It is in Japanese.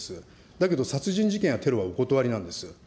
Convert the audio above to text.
だけど殺人事件やテロはお断りなんです。